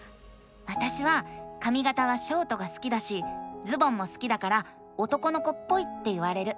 わたしはかみがたはショートが好きだしズボンも好きだから男の子っぽいって言われる。